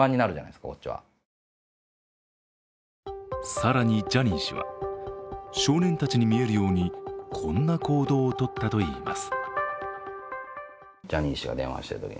更にジャニー氏は少年たちに見えるようにこんな行動を取ったといいます。